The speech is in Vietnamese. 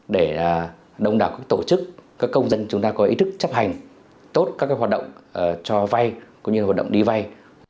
để đông đảo các tổ chức các công dân chúng ta có ý thức chấp hành tốt các hoạt động cho vay cũng như hoạt động đi vay